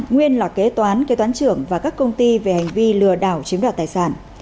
nguyên là kế toán kế toán trưởng và các công ty về hành vi lừa đảo chiếm đoạt tài sản